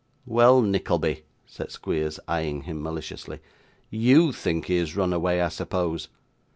'Well, Nickleby,' said Squeers, eyeing him maliciously. 'YOU think he has run away, I suppose?